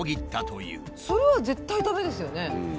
それは絶対駄目ですよね。